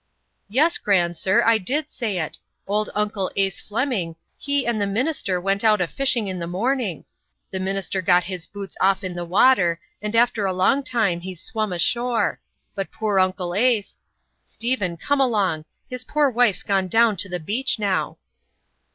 "Yes, Gran'sir, I did say it. Old Uncle Ase Flemming, he and the minister went out a fishing in the morning. The minister got his boots off in the water, and after a long time he's swum ashore. But poor Uncle Ase . Stephen, come along. His poor wife's gone down to the beach, now."